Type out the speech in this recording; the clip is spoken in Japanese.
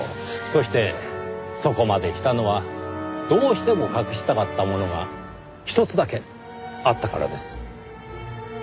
そしてそこまでしたのはどうしても隠したかったものがひとつだけあったからです。